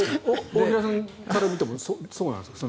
大平さんから見てもそうなんですか？